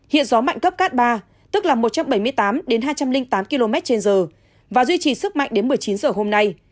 hiện gió mạnh cấp cát ba tức là một trăm bảy mươi tám hai trăm linh tám km trên giờ và duy trì sức mạnh đến một mươi chín h hôm nay